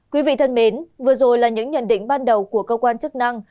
quý vị thân mến vừa rồi là những nhận định ban đầu của cơ quan chức năng